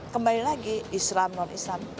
kembali lagi islam non islam